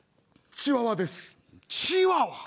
チワワ！？